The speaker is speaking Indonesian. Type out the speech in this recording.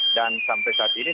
dan sampai saat ini